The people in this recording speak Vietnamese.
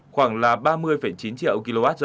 khoảng là ba mươi chín triệu